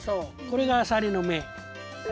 これがあさりの目。